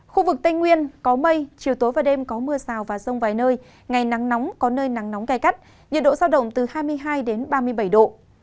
khu vực tây nguyên có mây chiều tối và đêm có mưa rào và rông vài nơi ngày nắng nóng có nơi nắng nóng gai gắt nhiệt độ giao động từ hai mươi hai ba mươi bảy độ